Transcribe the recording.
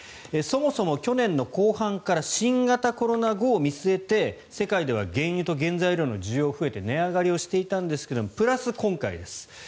そもそも去年の後半から新型コロナ後を見据えて世界では原油と原材料の需要が増えて値上がりをしていたんですがプラス、今回です。